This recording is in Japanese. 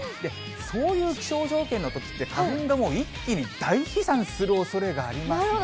そういう気象条件のときって、花粉がもう一気に大飛散するおそれがありますので。